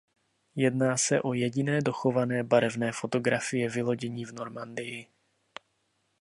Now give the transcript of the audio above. Jedná se o jediné dochované barevné fotografie vylodění v Normandii.